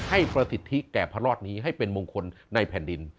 ประสิทธิแก่พระรอดนี้ให้เป็นมงคลในแผ่นดิน